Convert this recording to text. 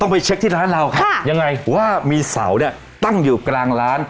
ไปเช็คที่ร้านเราค่ะยังไงว่ามีเสาเนี่ยตั้งอยู่กลางร้าน